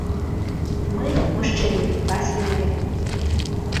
Мы, мужчыны, вас любім.